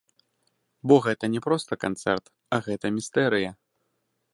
Бо гэта не проста канцэрт, а гэта містэрыя.